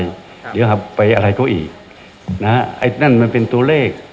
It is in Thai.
เดี๋ยวครับไปอะไรเขาอีกนะฮะไอ้นั่นมันเป็นตัวเลข